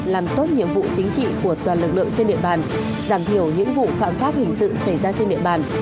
làm tốt nhiệm vụ chính trị của toàn lực lượng trên địa bàn giảm thiểu những vụ phạm pháp hình sự xảy ra trên địa bàn